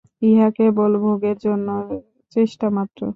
উহা কেবল ভোগের জন্য চেষ্টা মাত্র।